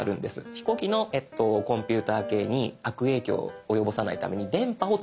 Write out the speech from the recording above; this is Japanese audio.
飛行機のコンピューター系に悪影響を及ぼさないために電波を止めます。